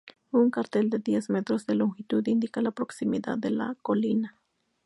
Un cartel de diez metros de longitud indica la proximidad de la colina.